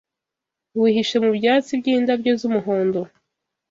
Wihishe mu byatsi byindabyo z,umuhondo